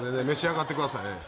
召し上がってください